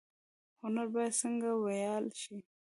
هنر باید څنګه وپال ل شي؟